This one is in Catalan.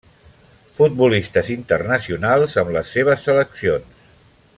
Futbolistes internacionals amb les seves seleccions.